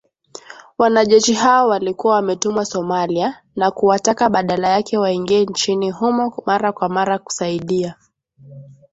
wanajeshi hawa walikuwa wametumwa Somalia na kuwataka badala yake waingie nchini humo mara kwa mara kusaidia.